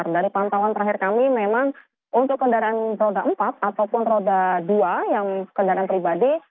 dari pantauan terakhir kami memang untuk kendaraan roda empat ataupun roda dua yang kendaraan pribadi